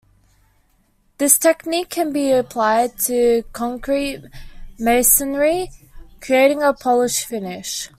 This technique can be applied to concrete masonry, creating a polished finish.